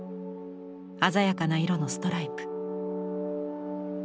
鮮やかな色のストライプ。